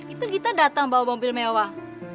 itu kita datang bawa mobil mewah